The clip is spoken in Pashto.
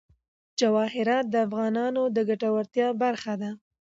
جواهرات د افغانانو د ګټورتیا برخه ده.